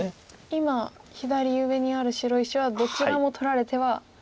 今左上にある白石はどちらも取られてはつらい。